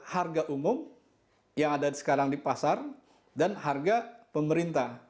harga umum yang ada sekarang di pasar dan harga pemerintah